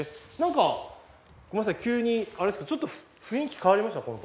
なんか急に雰囲気変わりました？